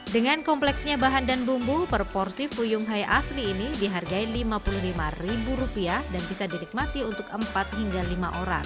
dengan kompleksnya bahan dan bumbu per porsi fuyung hai asli ini dihargai lima puluh lima dan bisa dinikmati untuk empat hingga lima orang